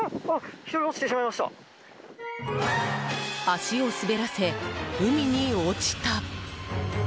足を滑らせ、海に落ちた！